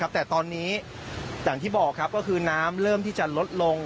แต่ตอนนี้อย่างที่บอกครับก็คือน้ำเริ่มที่จะลดลง